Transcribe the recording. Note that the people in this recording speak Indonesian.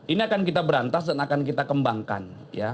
ini akan kita berantas dan akan kita kembangkan